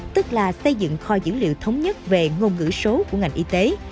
tức là xây dựng kho dữ liệu thống nhất về ngôn ngữ số của ngành y tế